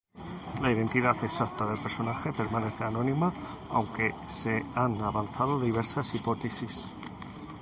La identidad exacta del personaje permanece anónima, aunque se han avanzado diversas hipótesis.